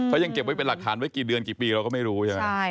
เขายังเก็บไว้เป็นหลักฐานไว้กี่เดือนกี่ปีเราก็ไม่รู้ใช่ไหม